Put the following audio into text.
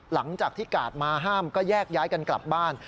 หลังจากที่กาดมาห้ามก็แยกย้ายกันกลับบ้าน